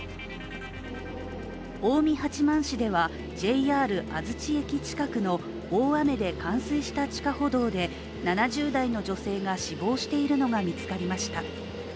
近江八幡市では、ＪＲ安土駅近くの大雨で冠水した地下歩道で７０代の女性が死亡しているのが見つかりました。